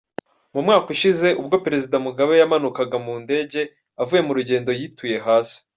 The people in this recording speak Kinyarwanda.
Mu mwaka ushize, ubwo Perezida Mugabe yamanukaga mu ndege avuye mu rugendo, yituye hasi.